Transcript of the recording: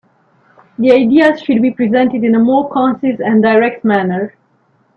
The ideas should be presented in a more concise and direct manner.